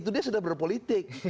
itu dia sudah berpolitik